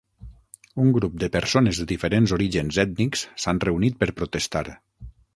Un grup de persones de diferents orígens ètnics s'han reunit per protestar.